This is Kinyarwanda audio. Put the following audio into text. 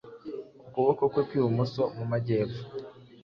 Ukuboko kwe kw'ibumoso mu majyepfo